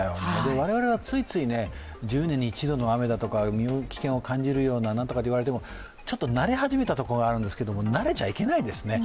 我々はついつい１０年に一度の雨だとか身の危険を感じるようなとか言われても、慣れ始めたところがあるんですけれども、慣れちゃいけないんですね。